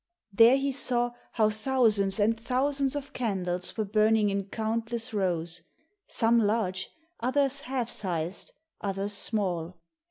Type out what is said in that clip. There he saw how thousands and thousands of candles were burning in countless rows, some large, others half sized, others small.